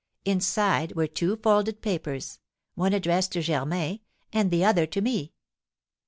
Inside were two folded papers, one addressed to Germain, and the other to me.